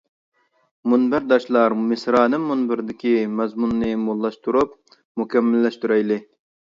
مۇنبەرداشلار، مىسرانىم مۇنبىرىدىكى مەزمۇننى موللاشتۇرۇپ، مۇكەممەللەشتۈرەيلى!